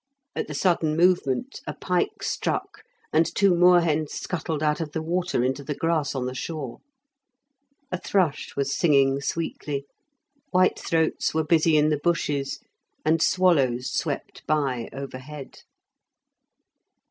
At the sudden movement a pike struck, and two moorhens scuttled out of the water into the grass on the shore. A thrush was singing sweetly, whitethroats were busy in the bushes, and swallows swept by overhead.